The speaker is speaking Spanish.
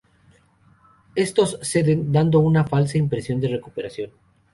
Estos ceden, dando una falsa impresión de recuperación.